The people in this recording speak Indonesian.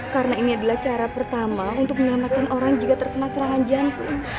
karena ini adalah cara pertama untuk menyelamatkan orang jika tersenang serangan jantung